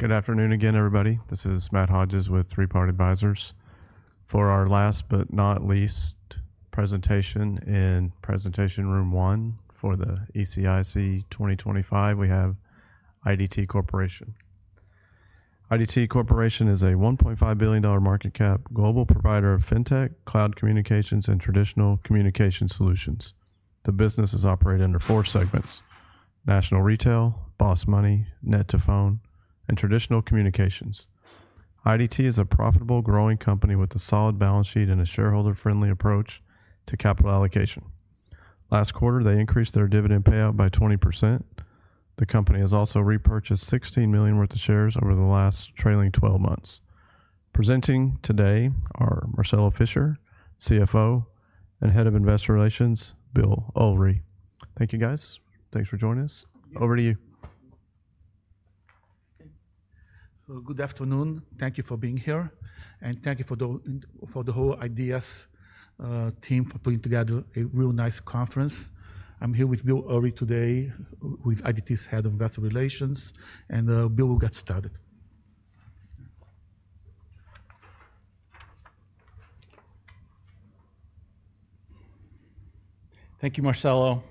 Good afternoon again, everybody. This is Matt Hodges with Three Part Advisors. For our last but not least presentation in Presentation Room 1 for the ECIC 2025, we have IDT Corporation. IDT Corporation is a $1.5 billion market cap global provider of fintech, cloud communications, and traditional communication solutions. The business is operated under four segments: National Retail, Boss Money, net2phone, and Traditional Communications. IDT is a profitable, growing company with a solid balance sheet and a shareholder-friendly approach to capital allocation. Last quarter, they increased their dividend payout by 20%. The company has also repurchased $16 million worth of shares over the last trailing 12 months. Presenting today are Marcelo Fischer, CFO, and Head of Investor Relations, Bill Ulrey. Thank you, guys. Thanks for joining us. Over to you. Good afternoon. Thank you for being here, and thank you to the whole IDT team for putting together a real nice conference. I'm here with Bill Ulrey today, with IDT's head of investor relations, and Bill will get started. Thank you, Marcelo.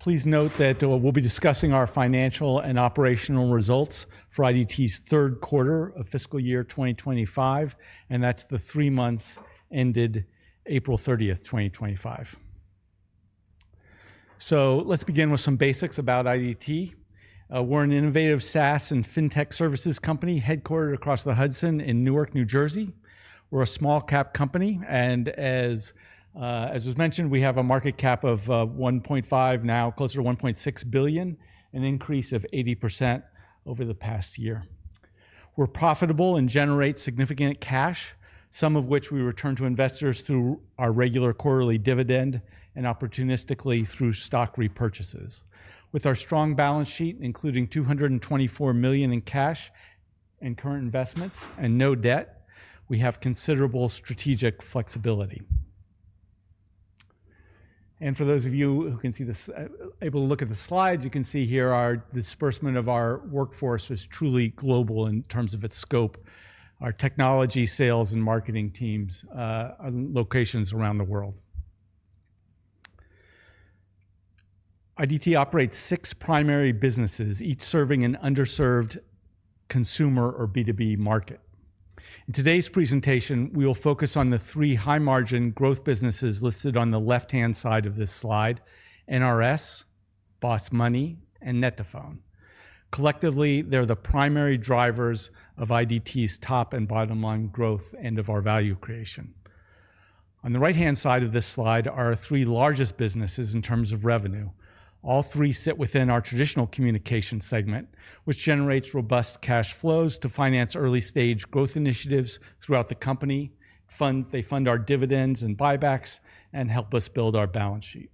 Please note that we'll be discussing our financial and operational results for IDT's third quarter of fiscal year 2025, and that's the three months ended April 30, 2025. Let's begin with some basics about IDT. We're an innovative SaaS and fintech services company headquartered across the Hudson in Newark, New Jersey. We're a small-cap company, and as was mentioned, we have a market cap of $1.5 billion, now closer to $1.6 billion, an increase of 80% over the past year. We're profitable and generate significant cash, some of which we return to investors through our regular quarterly dividend and opportunistically through stock repurchases. With our strong balance sheet, including $224 million in cash and current investments and no debt, we have considerable strategic flexibility. For those of you who can see this, able to look at the slides, you can see here our disbursement of our workforce is truly global in terms of its scope. Our technology, sales, and marketing teams are in locations around the world. IDT operates six primary businesses, each serving an underserved consumer or B2B market. In today's presentation, we will focus on the three high-margin growth businesses listed on the left-hand side of this slide: NRS, Boss Money, and net2Phone. Collectively, they're the primary drivers of IDT's top and bottom line growth and of our value creation. On the right-hand side of this slide are our three largest businesses in terms of revenue. All three sit within our Traditional Communication segment, which generates robust cash flows to finance early-stage growth initiatives throughout the company. They fund our dividends and buybacks and help us build our balance sheet.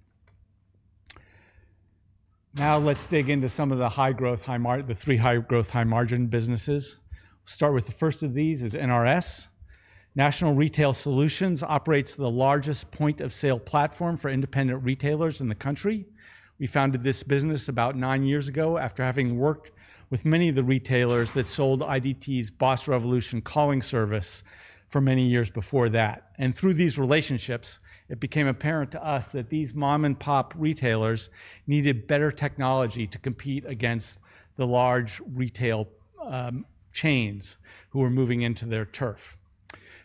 Now let's dig into some of the high-growth, high-margin, the three high-growth, high-margin businesses. We'll start with the first of these is NRS. National Retail Solutions operates the largest point-of-sale platform for independent retailers in the country. We founded this business about nine years ago after having worked with many of the retailers that sold IDT's Boss Revolution calling service for many years before that. Through these relationships, it became apparent to us that these mom-and-pop retailers needed better technology to compete against the large retail chains who were moving into their turf.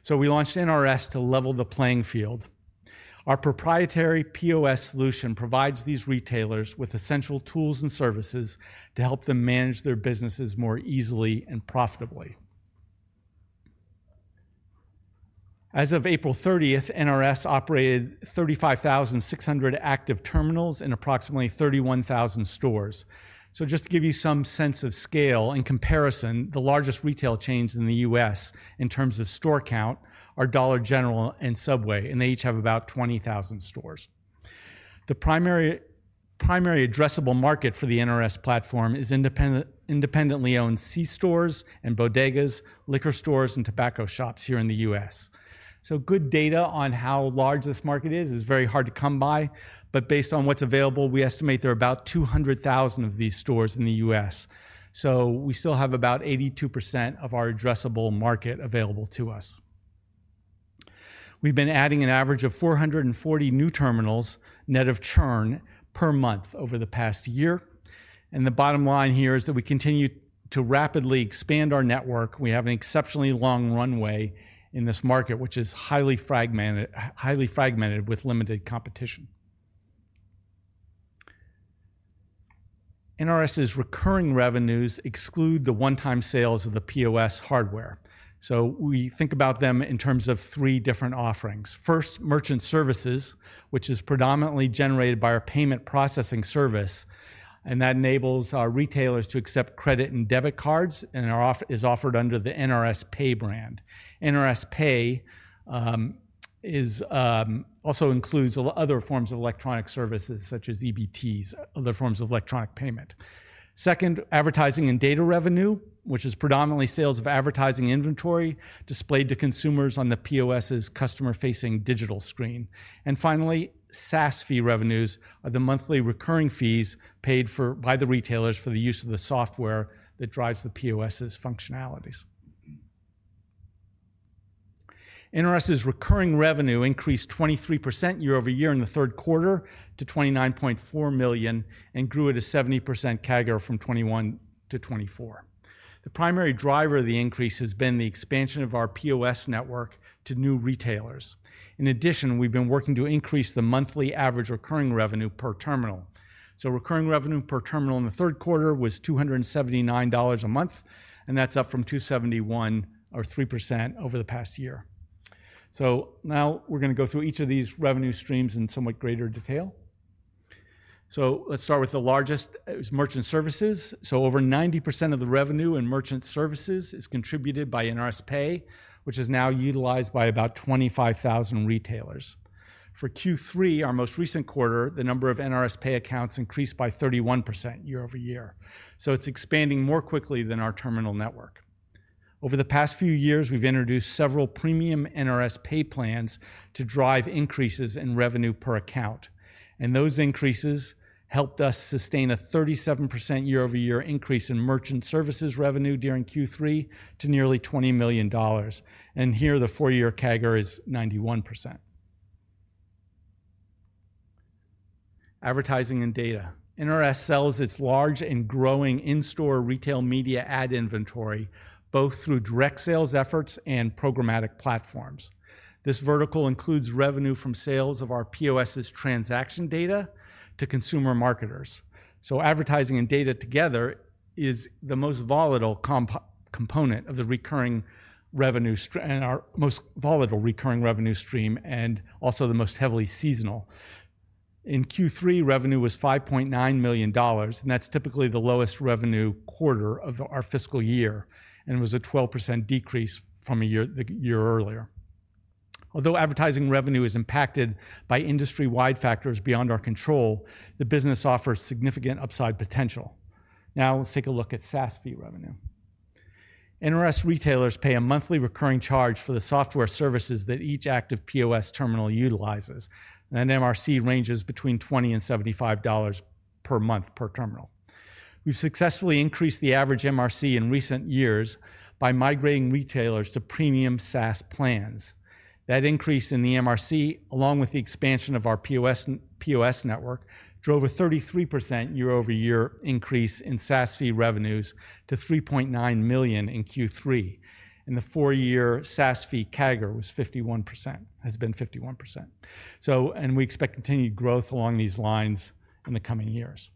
We launched NRS to level the playing field. Our proprietary POS solution provides these retailers with essential tools and services to help them manage their businesses more easily and profitably. As of April 30th, NRS operated 35,600 active terminals in approximately 31,000 stores. Just to give you some sense of scale and comparison, the largest retail chains in the U.S. in terms of store count are Dollar General and Subway, and they each have about 20,000 stores. The primary addressable market for the NRS platform is independently owned C stores and bodegas, liquor stores, and tobacco shops here in the U.S. Good data on how large this market is is very hard to come by, but based on what's available, we estimate there are about 200,000 of these stores in the U.S. We still have about 82% of our addressable market available to us. We've been adding an average of 440 new terminals net of churn per month over the past year. The bottom line here is that we continue to rapidly expand our network. We have an exceptionally long runway in this market, which is highly fragmented, highly fragmented with limited competition. NRS's recurring revenues exclude the one-time sales of the POS hardware. We think about them in terms of three different offerings. First, merchant services, which is predominantly generated by our payment processing service, and that enables our retailers to accept credit and debit cards and is offered under the NRS Pay brand. NRS Pay also includes other forms of electronic services such as EBTs, other forms of electronic payment. Second, advertising and data revenue, which is predominantly sales of advertising inventory displayed to consumers on the POS's customer-facing digital screen. Finally, SaaS fee revenues are the monthly recurring fees paid by the retailers for the use of the software that drives the POS's functionalities. NRS's recurring revenue increased 23% year over year in the third quarter to $29.4 million and grew at a 70% CAGR from 2021 to 2024. The primary driver of the increase has been the expansion of our POS network to new retailers. In addition, we've been working to increase the monthly average recurring revenue per terminal. Recurring revenue per terminal in the third quarter was $279 a month, and that's up from $271 or 3% over the past year. Now we're going to go through each of these revenue streams in somewhat greater detail. Let's start with the largest. It was merchant services. Over 90% of the revenue in merchant services is contributed by NRS Pay, which is now utilized by about 25,000 retailers. For Q3, our most recent quarter, the number of NRS Pay accounts increased by 31% year over year. It is expanding more quickly than our terminal network. Over the past few years, we have introduced several premium NRS Pay plans to drive increases in revenue per account. Those increases helped us sustain a 37% year-over-year increase in merchant services revenue during Q3 to nearly $20 million. Here, the four-year CAGR is 91%. Advertising and data. NRS sells its large and growing in-store retail media ad inventory both through direct sales efforts and programmatic platforms. This vertical includes revenue from sales of our POS's transaction data to consumer marketers. Advertising and data together is the most volatile component of the recurring revenue, our most volatile recurring revenue stream, and also the most heavily seasonal. In Q3, revenue was $5.9 million, and that is typically the lowest revenue quarter of our fiscal year, and it was a 12% decrease from the year earlier. Although advertising revenue is impacted by industry-wide factors beyond our control, the business offers significant upside potential. Now let's take a look at SaaS fee revenue. NRS retailers pay a monthly recurring charge for the software services that each active POS terminal utilizes, and that MRC ranges between $20 and $75 per month per terminal. We've successfully increased the average MRC in recent years by migrating retailers to premium SaaS plans. That increase in the MRC, along with the expansion of our POS network, drove a 33% year-over-year increase in SaaS fee revenues to $3.9 million in Q3. The four-year SaaS fee CAGR was 51%, has been 51%. We expect continued growth along these lines in the coming years.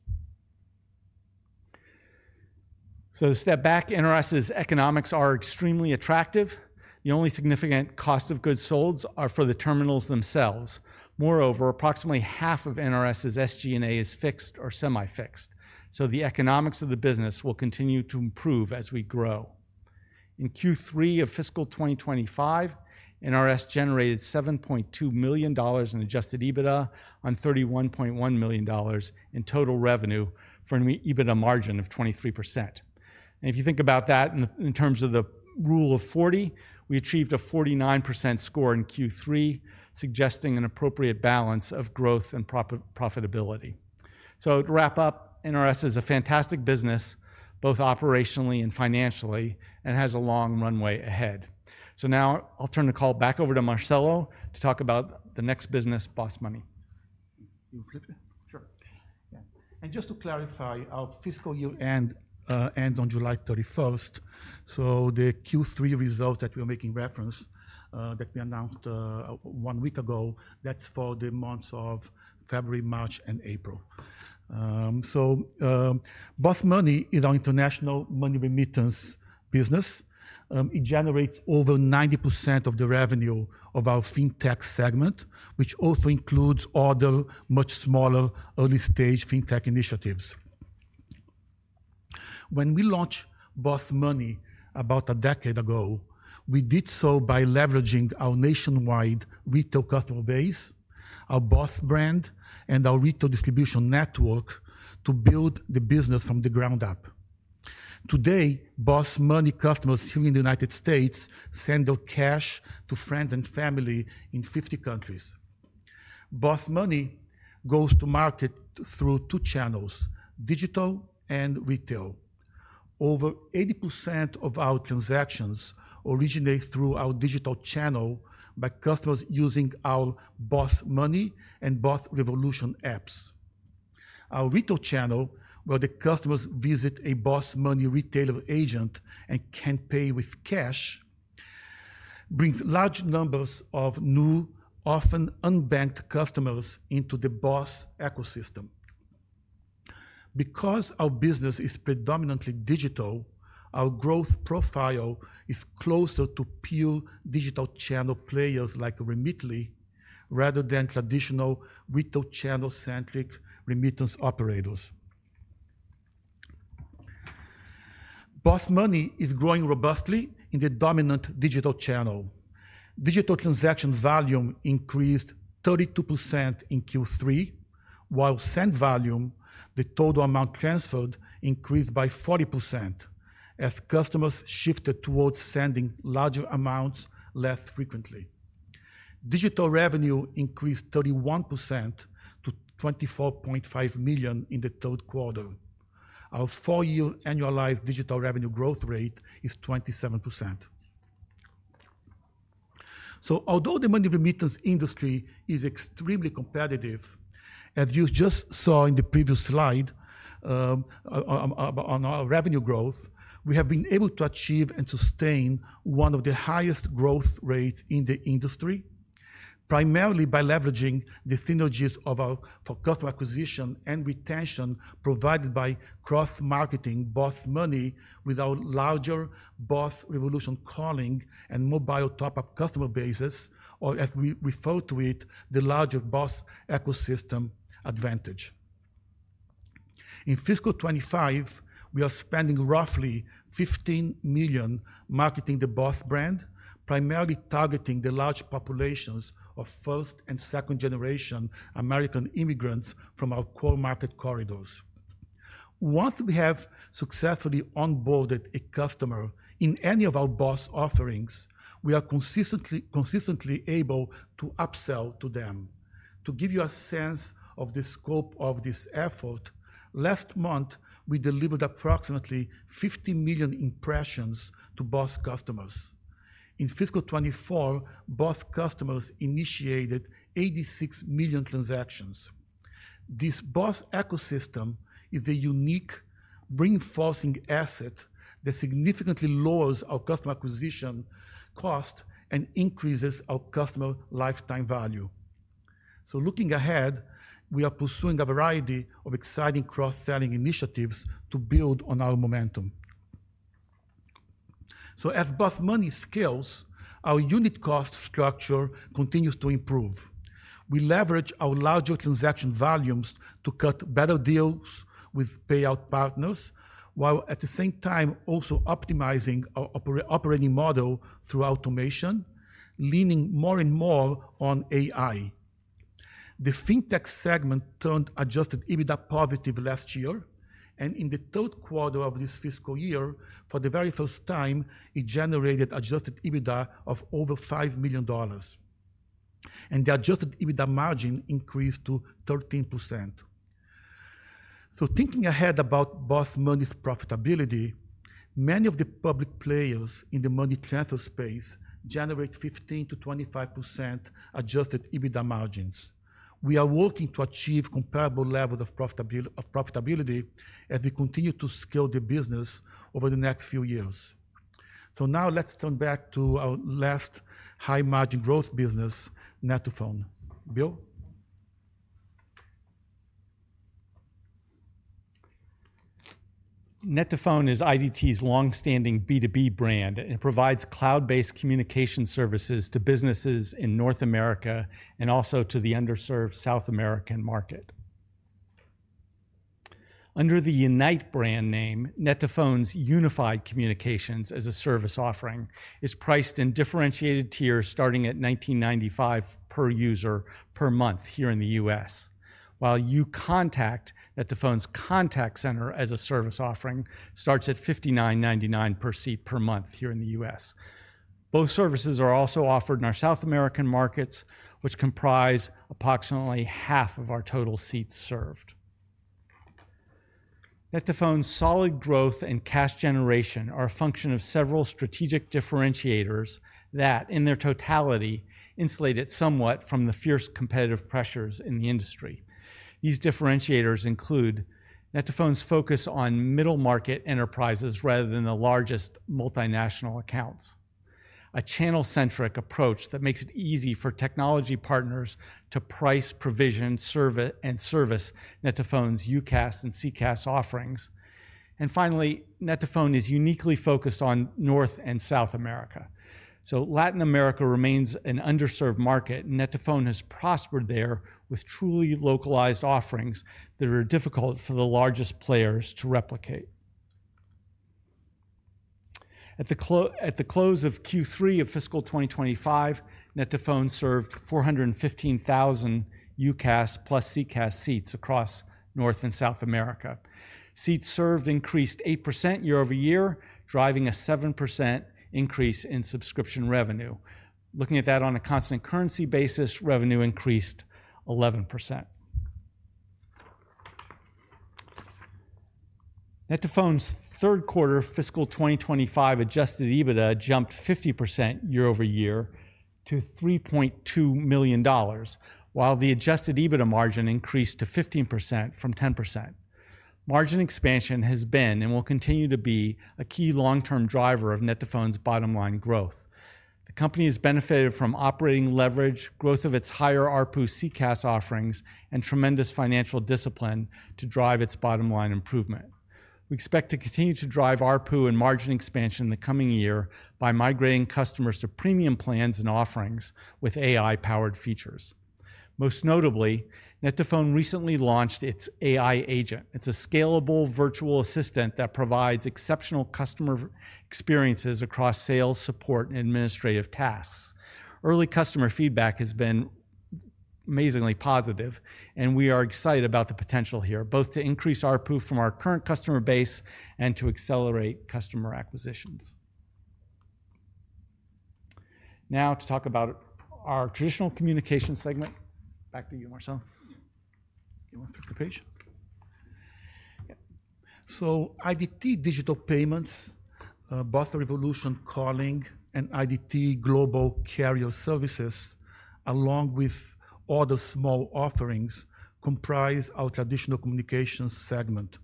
To step back, NRS's economics are extremely attractive. The only significant cost of goods sold are for the terminals themselves. Moreover, approximately half of NRS's SG&A is fixed or semi-fixed. The economics of the business will continue to improve as we grow. In Q3 of fiscal 2025, NRS generated $7.2 million in adjusted EBITDA on $31.1 million in total revenue for an EBITDA margin of 23%. If you think about that in terms of the rule of 40, we achieved a 49% score in Q3, suggesting an appropriate balance of growth and profitability. To wrap up, NRS is a fantastic business, both operationally and financially, and has a long runway ahead. Now I'll turn the call back over to Marcelo to talk about the next business, Boss Money. Sure. Yeah. Just to clarify, our fiscal year ends on July 31. The Q3 results that we're making reference to, that we announced one week ago, are for the months of February, March, and April. Boss Money is our international money remittance business. It generates over 90% of the revenue of our fintech segment, which also includes all the much smaller early-stage fintech initiatives. When we launched Boss Money about a decade ago, we did so by leveraging our nationwide retail customer base, our Boss brand, and our retail distribution network to build the business from the ground up. Today, Boss Money customers here in the United States send their cash to friends and family in 50 countries. Boss Money goes to market through two channels, digital and retail. Over 80% of our transactions originate through our digital channel by customers using our Boss Money and Boss Revolution apps. Our retail channel, where the customers visit a Boss Money retailer agent and can pay with cash, brings large numbers of new, often unbanked customers into the Boss ecosystem. Because our business is predominantly digital, our growth profile is closer to pure digital channel players like Remitly, rather than traditional retail channel-centric remittance operators. Boss Money is growing robustly in the dominant digital channel. Digital transaction volume increased 32% in Q3, while send volume, the total amount transferred, increased by 40% as customers shifted towards sending larger amounts less frequently. Digital revenue increased 31% to $24.5 million in the third quarter. Our four-year annualized digital revenue growth rate is 27%. Although the money remittance industry is extremely competitive, as you just saw in the previous slide on our revenue growth, we have been able to achieve and sustain one of the highest growth rates in the industry, primarily by leveraging the synergies of our customer acquisition and retention provided by cross-marketing Boss Money with our larger Boss Revolution calling and mobile top-up customer bases, or as we refer to it, the larger Boss ecosystem advantage. In fiscal 2025, we are spending roughly $15 million marketing the Boss brand, primarily targeting the large populations of first and second-generation American immigrants from our core market corridors. Once we have successfully onboarded a customer in any of our Boss offerings, we are consistently able to upsell to them. To give you a sense of the scope of this effort, last month, we delivered approximately 50 million impressions to Boss customers. In fiscal 2024, Boss customers initiated 86 million transactions. This Boss ecosystem is a unique reinforcing asset that significantly lowers our customer acquisition cost and increases our customer lifetime value. Looking ahead, we are pursuing a variety of exciting cross-selling initiatives to build on our momentum. As Boss Money scales, our unit cost structure continues to improve. We leverage our larger transaction volumes to cut better deals with payout partners, while at the same time also optimizing our operating model through automation, leaning more and more on AI. The fintech segment turned adjusted EBITDA positive last year, and in the third quarter of this fiscal year, for the very first time, it generated adjusted EBITDA of over $5 million. The adjusted EBITDA margin increased to 13%. Thinking ahead about Boss Money's profitability, many of the public players in the money transfer space generate 15%-25% adjusted EBITDA margins. We are working to achieve comparable levels of profitability as we continue to scale the business over the next few years. Now let's turn back to our last high-margin growth business, net2Phone. Bill? net2Phone is IDT's long-standing B2B brand and provides cloud-based communication services to businesses in North America and also to the underserved South American market. Under the Unite brand name, net2Phone's Unified Communications as a Service offering is priced in differentiated tiers starting at $19.95 per user per month here in the U.S., while You Contact, net2Phone's contact center as a service offering, starts at $59.99 per seat per month here in the U.S. Both services are also offered in our South American markets, which comprise approximately half of our total seats served. net2Phone's solid growth and cash generation are a function of several strategic differentiators that, in their totality, insulate it somewhat from the fierce competitive pressures in the industry. These differentiators include net2Phone's focus on middle market enterprises rather than the largest multinational accounts, a channel-centric approach that makes it easy for technology partners to price, provision, and service net2Phone's UCaaS and CCaaS offerings. Finally, net2Phone is uniquely focused on North and South America. Latin America remains an underserved market, and net2Phone has prospered there with truly localized offerings that are difficult for the largest players to replicate. At the close of Q3 of fiscal 2025, Net2Phone served 415,000 UCaaS plus CCaaS seats across North and South America. Seats served increased 8% year-over-year, driving a 7% increase in subscription revenue. Looking at that on a constant currency basis, revenue increased 11%. net2Phone's third quarter fiscal 2025 adjusted EBITDA jumped 50% year-over-year to $3.2 million, while the adjusted EBITDA margin increased to 15% from 10%. Margin expansion has been and will continue to be a key long-term driver of Net2Phone's bottom-line growth. The company has benefited from operating leverage, growth of its higher RPU CCaaS offerings, and tremendous financial discipline to drive its bottom-line improvement. We expect to continue to drive RPU and margin expansion in the coming year by migrating customers to premium plans and offerings with AI-powered features. Most notably, net2Phone recently launched its AI agent. It's a scalable virtual assistant that provides exceptional customer experiences across sales, support, and administrative tasks. Early customer feedback has been amazingly positive, and we are excited about the potential here, both to increase our pool from our current customer base and to accelerate customer acquisitions. Now to talk about our traditional communication segment. Back to you, Marcelo. You want to take the page? IDT Digital Payments, Boss Revolution calling, and IDT Global Carrier Services, along with other small offerings, comprise our traditional communications segment.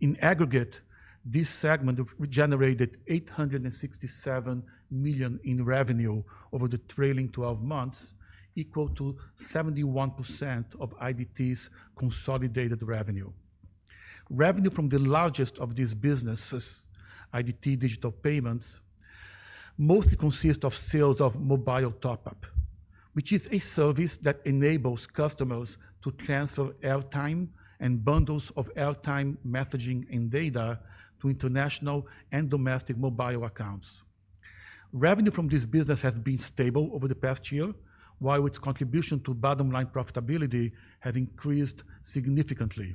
In aggregate, this segment generated $867 million in revenue over the trailing 12 months, equal to 71% of IDT's consolidated revenue. Revenue from the largest of these businesses, IDT Digital Payments, mostly consists of sales of mobile top-up, which is a service that enables customers to transfer airtime and bundles of airtime messaging and data to international and domestic mobile accounts. Revenue from this business has been stable over the past year, while its contribution to bottom-line profitability has increased significantly.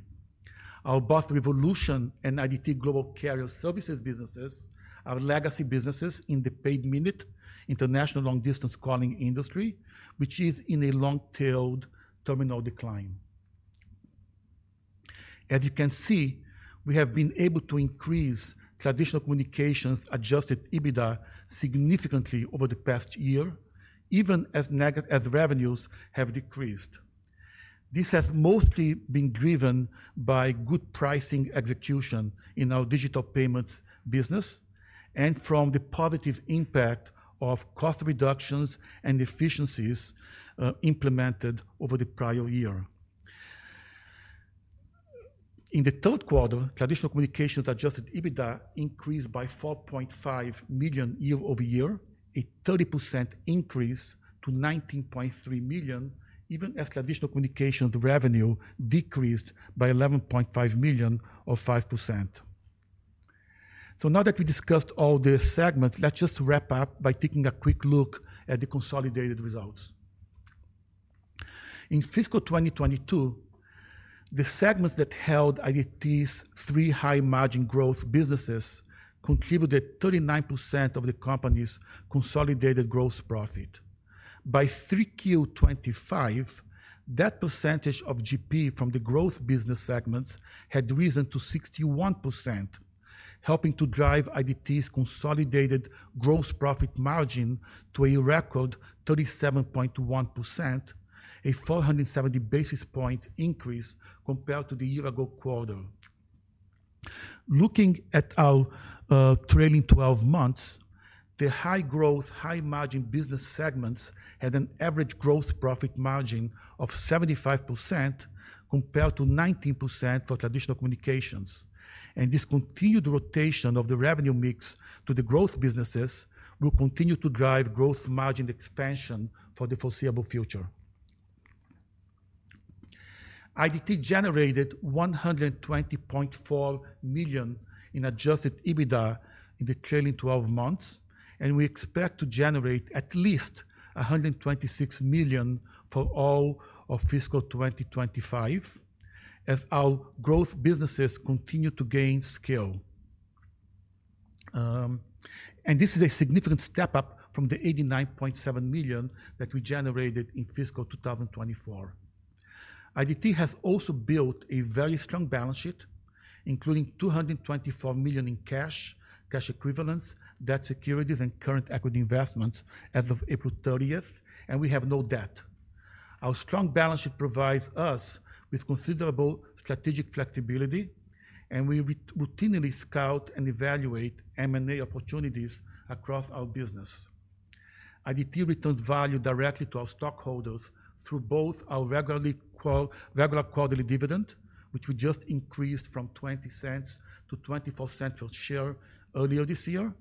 Our Boss Revolution and IDT Global Carrier Services businesses are legacy businesses in the paid minute international long-distance calling industry, which is in a long-tailed terminal decline. As you can see, we have been able to increase traditional communications adjusted EBITDA significantly over the past year, even as revenues have decreased. This has mostly been driven by good pricing execution in our digital payments business and from the positive impact of cost reductions and efficiencies implemented over the prior year. In the third quarter, traditional communications adjusted EBITDA increased by $4.5 million year-over-year, a 30% increase to $19.3 million, even as traditional communications revenue decreased by $11.5 million, or 5%. Now that we discussed all the segments, let's just wrap up by taking a quick look at the consolidated results. In fiscal 2022, the segments that held IDT's three high-margin growth businesses contributed 39% of the company's consolidated gross profit. By Q3 2025, that percentage of GP from the growth business segments had risen to 61%, helping to drive IDT's consolidated gross profit margin to a record 37.1%, a 470 basis points increase compared to the year-ago quarter. Looking at our trailing 12 months, the high-growth, high-margin business segments had an average gross profit margin of 75% compared to 19% for traditional communications. This continued rotation of the revenue mix to the growth businesses will continue to drive gross margin expansion for the foreseeable future. IDT generated $120.4 million in adjusted EBITDA in the trailing 12 months, and we expect to generate at least $126 million for all of fiscal 2025 as our growth businesses continue to gain scale. This is a significant step up from the $89.7 million that we generated in fiscal 2024. IDT has also built a very strong balance sheet, including $224 million in cash, cash equivalents, debt securities, and current equity investments as of April 30, and we have no debt. Our strong balance sheet provides us with considerable strategic flexibility, and we routinely scout and evaluate M&A opportunities across our business. IDT returns value directly to our stockholders through both our regular quarterly dividend, which we just increased from $0.20 to $0.24 per share earlier this year,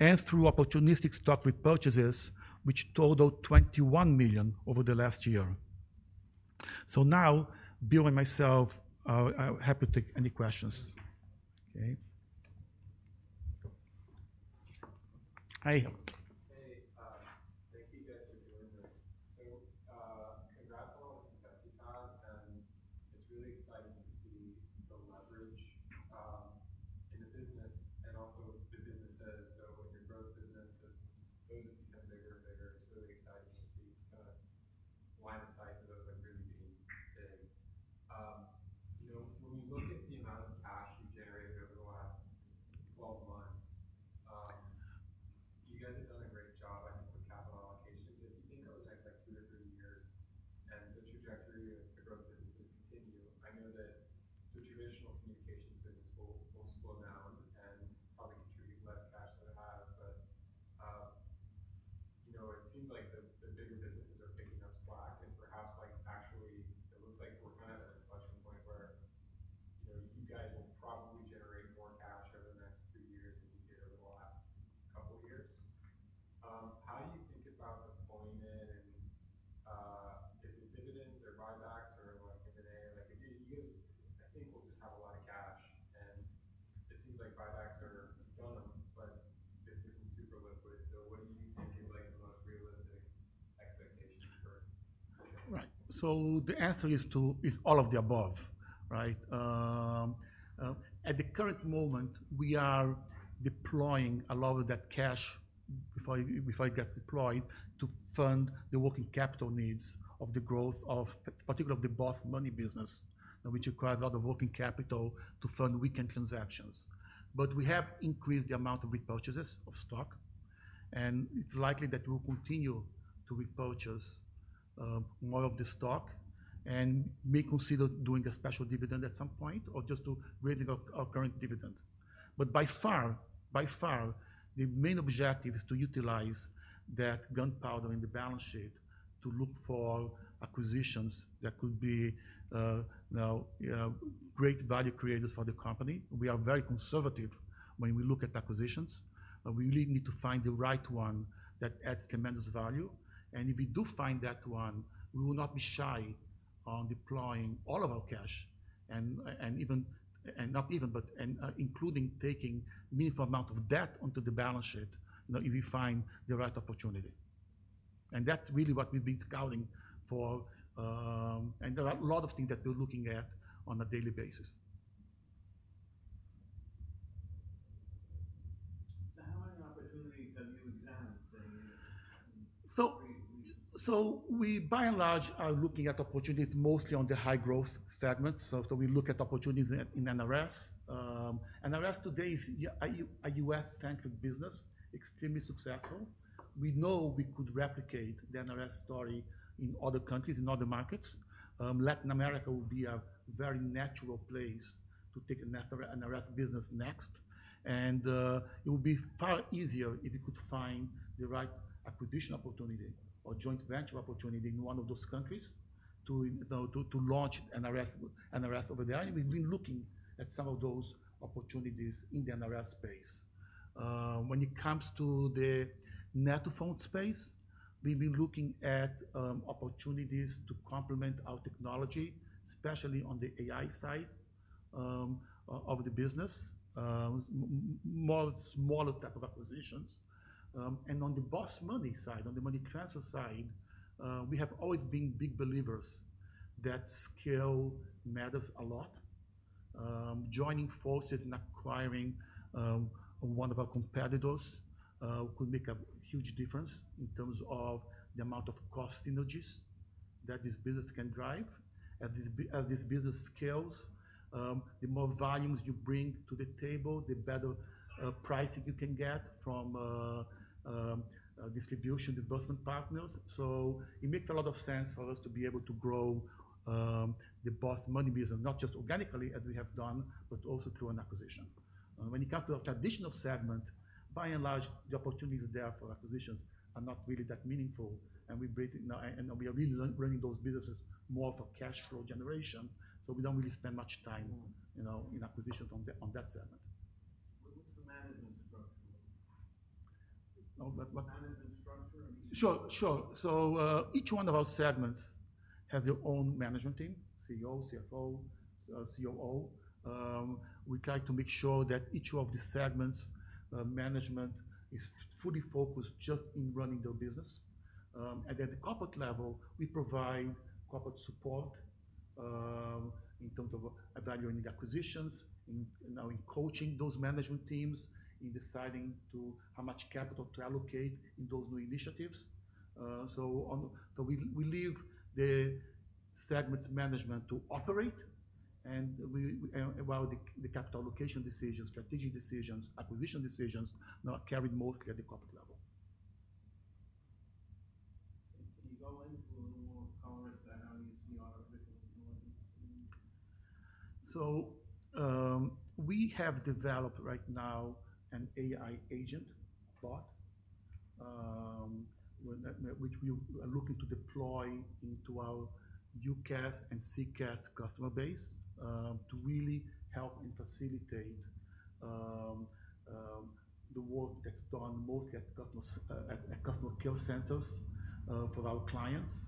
and through opportunistic stock repurchases, which totaled $21 million over the last year. Now, Bill and myself, I'm happy to take any questions. Okay. Hi. Hey. Thank you guys for doing this. Congrats on all more of the stock and may consider doing a special dividend at some point or just to raise our current dividend. By far, by far, the main objective is to utilize that gunpowder in the balance sheet to look for acquisitions that could be great value creators for the company. We are very conservative when we look at acquisitions. We really need to find the right one that adds tremendous value. If we do find that one, we will not be shy on deploying all of our cash and even, not even, but including taking a meaningful amount of debt onto the balance sheet if we find the right opportunity. That is really what we have been scouting for. There are a lot of things that we are looking at on a daily basis. How many opportunities have you examined? We, by and large, are looking at opportunities mostly on the high-growth segment. We look at opportunities in NRS. NRS today is a U.S.-centric business, extremely successful. We know we could replicate the NRS story in other countries, in other markets. Latin America would be a very natural place to take an NRS business next. It would be far easier if we could find the right acquisition opportunity or joint venture opportunity in one of those countries to launch NRS over there. We have been looking at some of those opportunities in the NRS space. When it comes to the net2Phone space, we have been looking at opportunities to complement our technology, especially on the AI side of the business, smaller type of acquisitions. On the Boss Money side, on the money transfer side, we have always been big believers that scale matters a lot. Joining forces and acquiring one of our competitors could make a huge difference in terms of the amount of cost synergies that this business can drive. As this business scales, the more volumes you bring to the table, the better pricing you can get from distribution disbursement partners. It makes a lot of sense for us to be able to grow the Boss Money business, not just organically, as we have done, but also through an acquisition. When it comes to our traditional segment, by and large, the opportunities there for acquisitions are not really that meaningful. We are really running those businesses more for cash flow generation. We do not really spend much time in acquisitions on that segment. What's the management structure? Sure, sure. Each one of our segments has their own management team: CEO, CFO, COO. We try to make sure that each of the segments' management is fully focused just in running their business. At the corporate level, we provide corporate support in terms of evaluating acquisitions, in coaching those management teams in deciding how much capital to allocate in those new initiatives. We leave the segment management to operate, while the capital allocation decisions, strategic decisions, acquisition decisions are carried mostly at the corporate level. Can you go into a little more color into how you see our traditional communications? We have developed right now an AI agent bot which we are looking to deploy into our UCaaS and CCaaS customer base to really help and facilitate the work that's done mostly at customer care centers for our clients.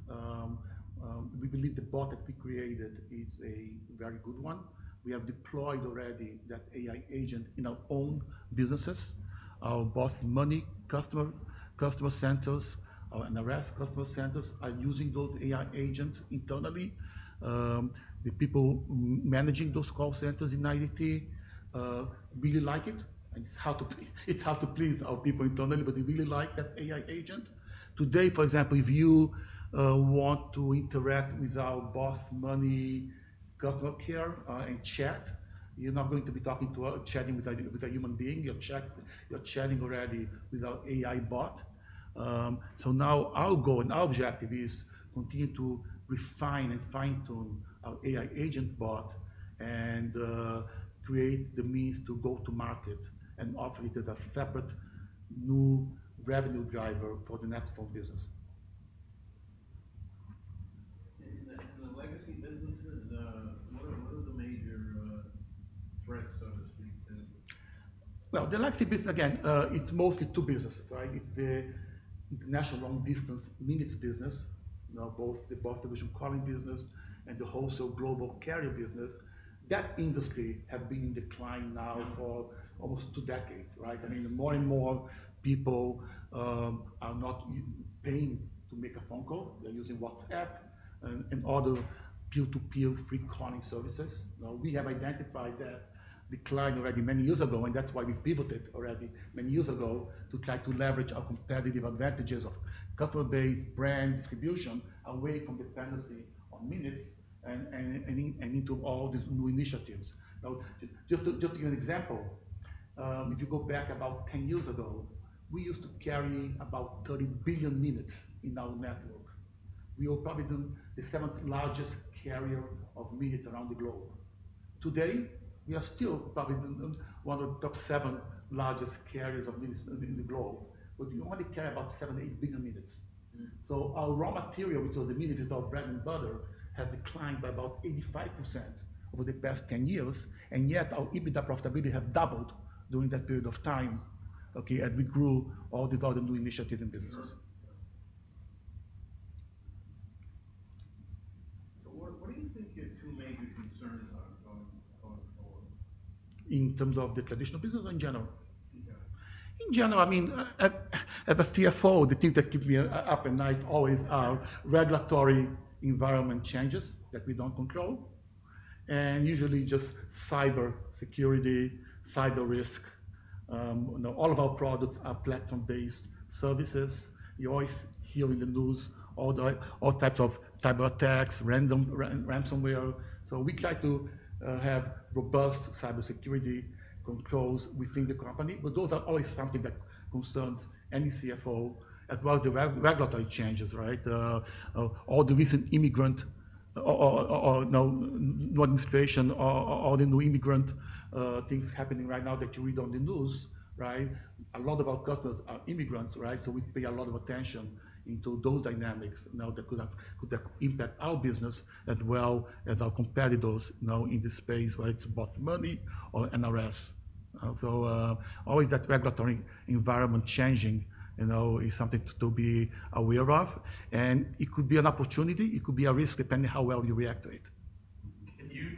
We believe the bot that we created is a very good one. We have deployed already that AI agent in our own businesses. Our Boss Money customer centers and NRS customer centers are using those AI agents internally. The people managing those call centers in IDT really like it. It's hard to please our people internally, but they really like that AI agent. Today, for example, if you want to interact with our Boss Money customer care and chat, you're not going to be talking to or chatting with a human being. You're chatting already with our AI bot. Now our goal and our objective is continuing to refine and fine-tune our AI agent bot and create the means to go to market and offer it as a separate new revenue driver for the net2Phone Business. In the legacy businesses, what are the major threats, so to speak? The legacy business, again, it's mostly two businesses, right? It's the international long-distance minutes business, both the Boss Revolution calling business and the wholesale global carrier business. That industry has been in decline now for almost two decades, right? I mean, more and more people are not paying to make a phone call. They're using WhatsApp and other peer-to-peer free calling services. We have identified that decline already many years ago, and that's why we pivoted already many years ago to try to leverage our competitive advantages of customer-based brand distribution away from dependency on minutes and into all these new initiatives. Just to give you an example, if you go back about 10 years ago, we used to carry about 30 billion minutes in our network. We were probably the seventh largest carrier of minutes around the globe. Today, we are still probably one of the top seven largest carriers of minutes in the globe, but we only carry about 7-8 billion minutes. So our raw material, which was the minutes, was our bread and butter, has declined by about 85% over the past 10 years, and yet our EBITDA profitability has doubled during that period of time, okay, as we grew all these other new initiatives and businesses. What do you think your two major concerns are going forward? In terms of the traditional business or in general? In general. In general, I mean, as a CFO, the things that keep me up at night always are regulatory environment changes that we do not control, and usually just cybersecurity, cyber risk. All of our products are platform-based services. You always hear in the news all types of cyber attacks, ransomware. We try to have robust cybersecurity controls within the company, but those are always something that concerns any CFO, as well as the regulatory changes, right? All the recent immigrant administration, all the new immigrant things happening right now that you read on the news, right? A lot of our customers are immigrants, right? We pay a lot of attention to those dynamics that could impact our business as well as our competitors in this space, whether it is Boss Money or NRS. Always that regulatory environment changing is something to be aware of. It could be an opportunity. It could be a risk depending on how well you react to it. Can you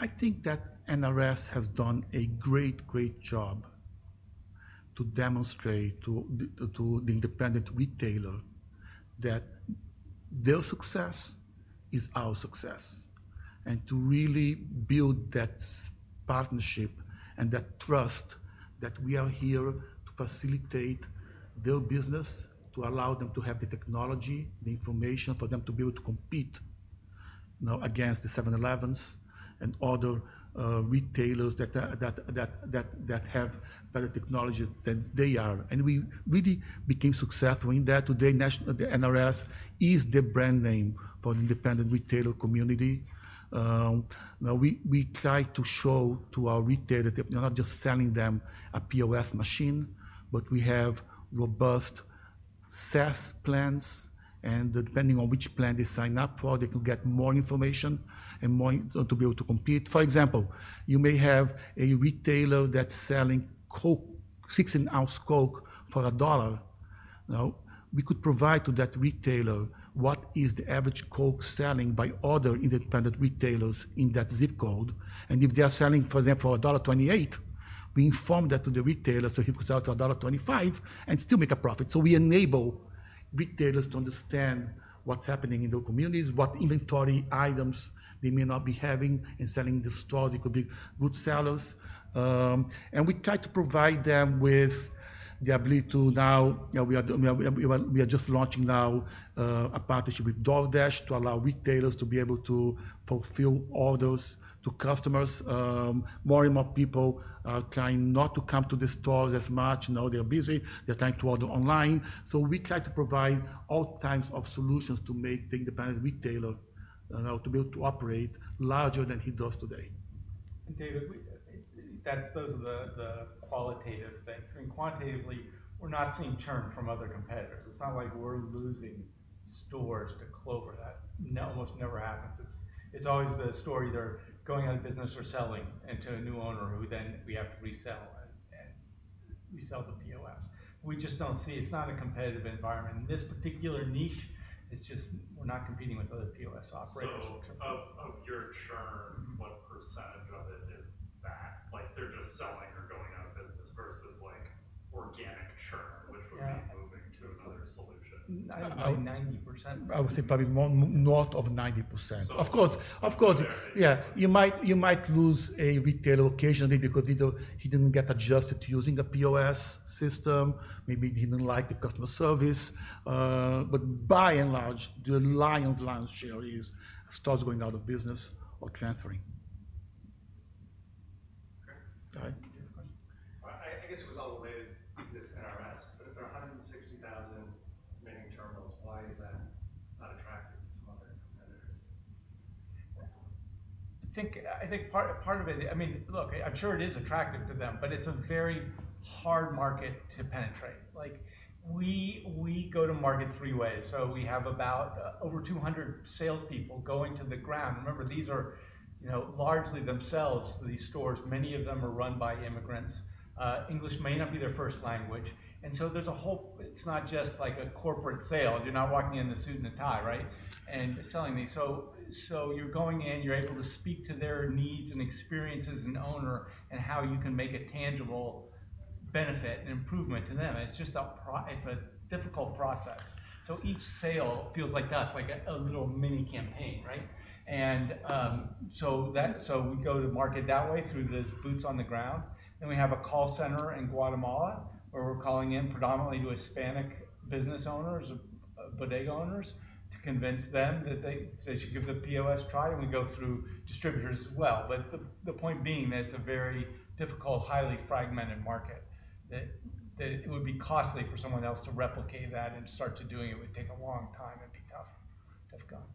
talk about the value that NRS provides to your merchants and why they would go with you over, say, a Clover or Square, and how, I guess, purpose-built your solution is? I think that NRS has done a great, great job to demonstrate to the independent retailer that their success is our success. To really build that partnership and that trust that we are here to facilitate their business, to allow them to have the technology, the information for them to be able to compete against the 7-Elevens and other retailers that have better technology than they are. We really became successful in that. Today, NRS is the brand name for the independent retailer community. We try to show to our retailers that we're not just selling them a POS machine, but we have robust SaaS plans. Depending on which plan they sign up for, they can get more information and more to be able to compete. For example, you may have a retailer that's selling Coke, 16-ounce Coke for a dollar. We could provide to that retailer what is the average Coke selling by other independent retailers in that zip code. If they are selling, for example, for $1.28, we inform that to the retailer so he could sell it for $1.25 and still make a profit. We enable retailers to understand what's happening in their communities, what inventory items they may not be having and selling in the store. They could be good sellers. We try to provide them with the ability to, now we are just launching now a partnership with DoorDash to allow retailers to be able to fulfill orders to customers. More and more people are trying not to come to the stores as much. They're busy. They're trying to order online. We try to provide all types of solutions to make the independent retailer to be able to operate larger than he does today. David, those are the qualitative things. I mean, quantitatively, we're not seeing churn from other competitors. It's not like we're losing stores to Clover. That almost never happens. It's always the story they're going out of business or selling into a new owner who then we have to resell and resell the POS. We just don't see it's not a competitive environment. In this particular niche, it's just we're not competing with other POS operators. Of your churn, what percentage of it is that they're just selling or going out of business versus organic churn, which would be moving to another solution? I'd say 90%. I would say probably north of 90%. Of course, of course. You might lose a retailer occasionally because he didn't get adjusted to using a POS system. Maybe he didn't like the customer service. By and large, the lion's share is stores going out of business or transferring. Okay. I guess it was all related to this NRS, but if there are 160,000 remaining terminals, why is that not attractive to some other competitors? I think part of it, I mean, look, I'm sure it is attractive to them, but it's a very hard market to penetrate. We go to market three ways. We have about over 200 salespeople going to the ground. Remember, these are largely themselves, these stores, many of them are run by immigrants. English may not be their first language. There is a whole, it's not just like a corporate sale. You're not walking in in a suit and a tie, right, and selling these. You're going in, you're able to speak to their needs and experiences and owner and how you can make a tangible benefit and improvement to them. It's just a difficult process. Each sale feels like us, like a little mini campaign, right? We go to market that way through those boots on the ground. We have a call center in Guatemala where we're calling in predominantly to Hispanic business owners, bodega owners, to convince them that they should give the POS a try. We go through distributors as well. The point being that it's a very difficult, highly fragmented market, that it would be costly for someone else to replicate that and start to do it. It would take a long time and be tough.